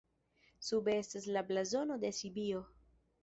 Sube estas la blazono de Sibio.